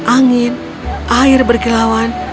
angin air berkilauan